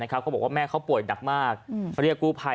เขาบอกว่าแม่เขาป่วยหนักมากเขาเรียกกู้ภัย